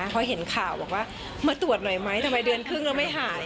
พอเห็นข่าวบอกว่ามาตรวจหน่อยไหมทำไมเดือนครึ่งเราไม่หาย